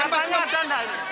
ternyata ada enggak ini